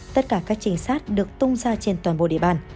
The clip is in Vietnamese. tất cả các trình sát được tung ra trên toàn bộ địa bàn